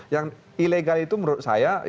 yang ilegal itu menurut saya